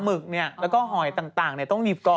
มีจากไม่มีคะ